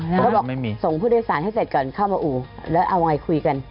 เขาบอกไม่มีส่งผู้โดยสารให้เสร็จก่อนเข้ามาอู่แล้วเอาไงคุยกัน